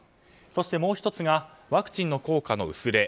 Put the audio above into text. そして、もう１つがワクチンの効果の薄れ。